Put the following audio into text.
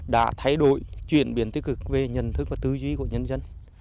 đã thay đổi chuyển biến tích cực về nhận thức và tư duy của nhân dân